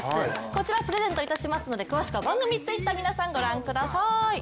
こちらプレゼントいたしますので詳しくは番組Ｔｗｉｔｔｅｒをご覧ください。